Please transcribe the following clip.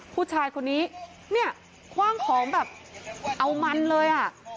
ผู้ชายคนนี้เนี่ยคว่างของแบบเอามันเลยอ่ะ